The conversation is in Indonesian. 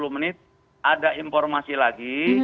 dua puluh menit ada informasi lagi